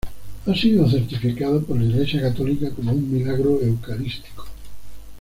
Ha sido certificado por la Iglesia católica como un milagro eucarístico.